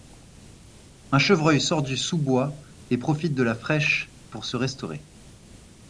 Un chevreuil sort du sous-bois et profite de la fraîche pour se restaurer.